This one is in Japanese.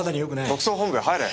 特捜本部へ入れ！